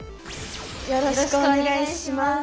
よろしくお願いします。